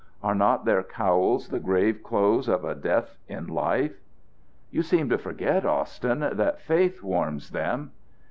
Are not their cowls the grave clothes of a death in life?" "You seem to forget, Austin, that faith warms them."